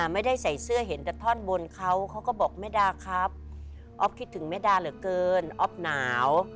ไม่ได้ใส่เสื้อเห็นแต่ท่อนบนเขาเขาก็บอกแม่ดาครับอ๊อฟคิดถึงแม่ดาเหลือเกินอ๊อฟหนาว